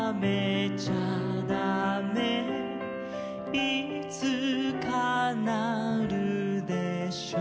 「いつかなるでしょう」